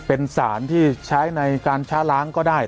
เป็นสารที่ใช้ในการช้าล้างก็ได้